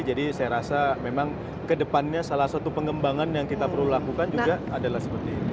jadi saya rasa memang ke depannya salah satu pengembangan yang kita perlu lakukan juga adalah seperti ini